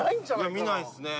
見ないっすね。